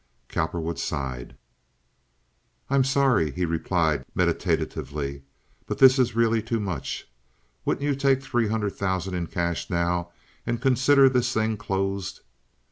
Cowperwood sighed. "I'm sorry," he replied, meditatively, "but this is really too much. Wouldn't you take three hundred thousand dollars in cash now and consider this thing closed?"